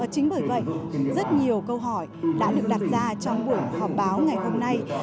chính bởi vậy rất nhiều câu hỏi đã được đặt ra trong buổi họp báo ngày hôm nay